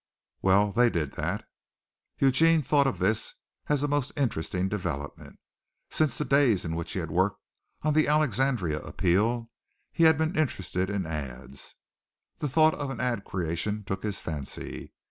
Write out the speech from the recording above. "Well, they did that." Eugene thought of this as a most interesting development. Since the days in which he worked on the Alexandria Appeal he had been interested in ads. The thought of ad creation took his fancy.